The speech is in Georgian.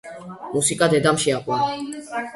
მუსიკა დედამ შეაყვარა.